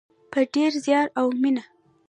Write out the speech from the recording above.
په ډیر زیار او مینه.